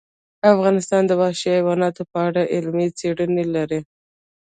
افغانستان د وحشي حیواناتو په اړه علمي څېړنې لري.